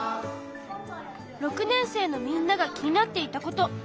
６年生のみんなが気になっていたこと。